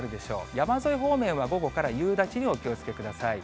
山沿い方面は午後から夕立にお気をつけください。